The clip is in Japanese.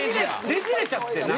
ねじれちゃってなんか。